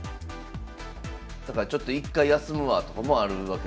だからちょっと１回休むわとかもあるわけですね。